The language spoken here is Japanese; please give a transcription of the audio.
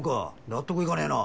納得いかねぇな。